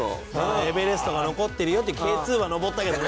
エベレストが残ってるよってＫ２は登ったけどね。